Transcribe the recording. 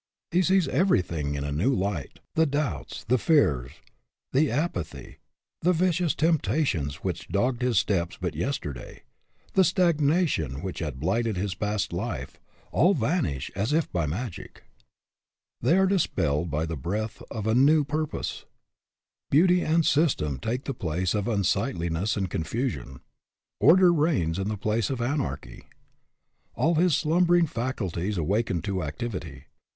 He sees everything in a new light. The doubts, the fears, the apathy, the vicious temptations which dogged his steps but yesterday, the stagnation which had blighted his past life, all vanish as if by magic. They are dispelled by the breath of a new purpose. Beauty and system take the place of unsightliness and confusion. Order reigns in the place of anarchy. All his slumbering faculties awaken to activity.